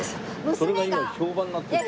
それが今評判になってる。